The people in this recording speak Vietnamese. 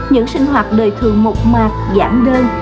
những sinh hoạt đời thường mộc mạc giảm đơn